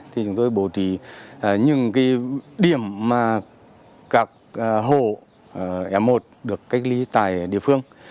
thì chúng tôi bố trí những điểm mà các hồ m một được cách ly tại địa phương